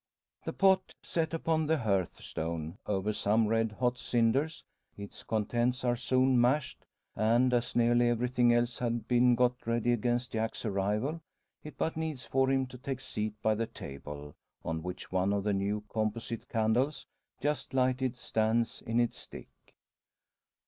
The pot set upon the hearthstone over some red hot cinders, its contents are soon "mashed;" and, as nearly everything else had been got ready against Jack's arrival, it but needs for him to take seat by the table, on which one of the new composite candles, just lighted, stands in its stick.